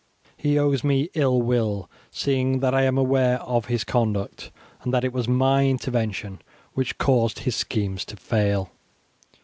He owes me ill will, seeing that I am aware of his conduct, and that it was my intervention which caused his schemes to fail.